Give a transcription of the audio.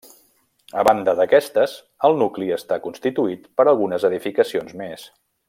A banda d'aquestes, el nucli està constituït per algunes edificacions més.